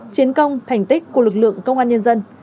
chiến công thành tích của lực lượng công an nhân dân